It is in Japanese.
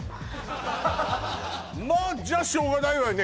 あじゃあしょうがないわよね